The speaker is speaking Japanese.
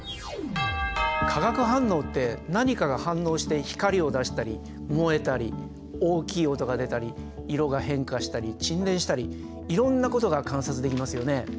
化学反応って何かが反応して光を出したり燃えたり大きい音が出たり色が変化したり沈殿したりいろんなことが観察できますよね。